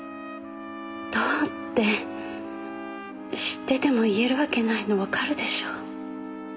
どうって知ってても言えるわけないのわかるでしょう？